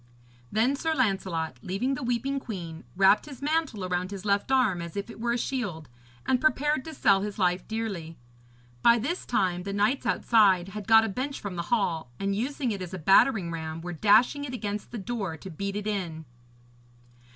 Then Sir Lancelot, leaving the weeping queen, wrapped his mantle round his left arm as if it were a shield, and prepared to sell his life dearly. By this time the knights outside had got a bench from the hall, and using it as a battering ram, were dashing it against the door to beat it in.